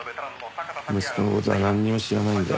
息子の事はなんにも知らないんだよ。